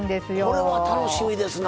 これは楽しみですな。